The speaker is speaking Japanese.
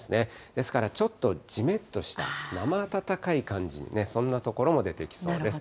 ですからちょっと、じめっとした、生暖かい感じにね、そんな所も出てきそうです。